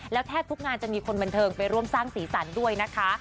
แล้วแทบทุกงานจะมีคนบันเทิงไปร่วมสร้างสีสันด้วยนะคะ